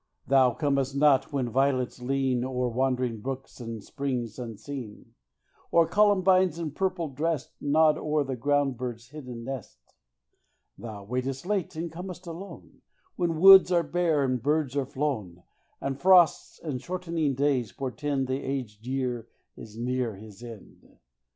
Thou comest not when violets lean O'er wandering brooks and springs unseen, Or columbines, in purple dressed, Nod o'er the ground bird's hidden nest. Thou waitest late and com'st alone, When woods are bare and birds are flown, And frosts and shortening days portend The aged year is near his end.